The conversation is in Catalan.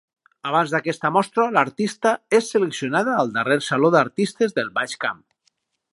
Abans d’aquesta mostra l’artista és seleccionada al darrer Saló d’Artistes del Baix Camp.